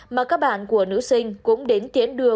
mà các bạn của nữ sinh cũng đến tiến đưa